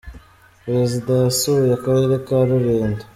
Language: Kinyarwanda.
perezida yasuye akarere ka rulindo.